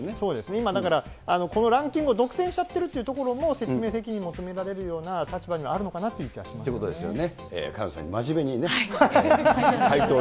今、だから、このランキングを独占しちゃってるというところも説明責任を求められるような立場にはあるのかなという気がしますね。ということですよね。